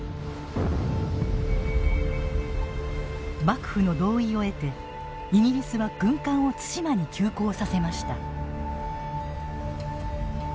幕府の同意を得てイギリスは軍艦を対馬に急行させました。